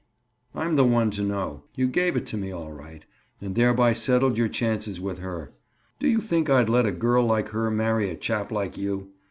"I'm the one to know. You gave it to me all right, and thereby settled your chances with her. Do you think I'd let a girl like her marry a chap like you?